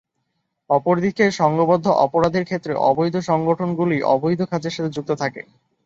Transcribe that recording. অপরদিকে, সংঘবদ্ধ অপরাধের ক্ষেত্রে অবৈধ সংগঠনগুলোই অবৈধ কাজের সাথে যুক্ত থাকে।